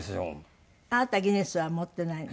あなたギネスは持ってないの？